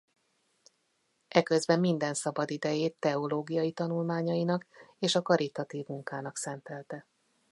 Eközben minden szabadidejét teológiai tanulmányainak és a karitatív munkának szentelte.